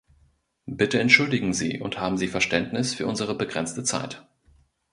Bitte entschuldigen Sie, und haben Sie Verständnis für unsere begrenzte Zeit.